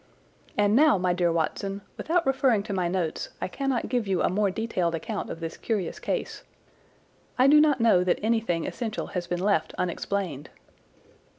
And now, my dear Watson, without referring to my notes, I cannot give you a more detailed account of this curious case. I do not know that anything essential has been left unexplained."